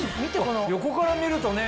横から見るとね。